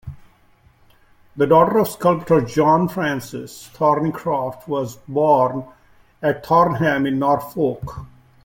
The daughter of sculptor John Francis, Thornycroft was born at Thornham in Norfolk.